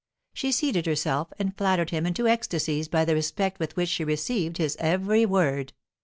She seated herself, and flattered him into ecstasies by the respect with which she received his every word.